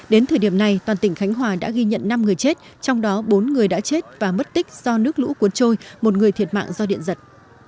đến thời điểm này toàn tỉnh khánh hòa đã ghi nhận năm người chết trong đó bốn người đã chết và mất tích do nước lũ cuốn trôi một người thiệt mạng do điện giật